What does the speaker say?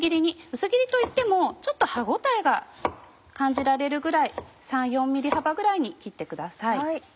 薄切りといってもちょっと歯応えが感じられるぐらい３４ｍｍ幅ぐらいに切ってください。